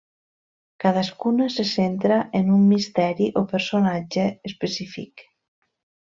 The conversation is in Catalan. Cadascuna se centra en un misteri o personatge específic.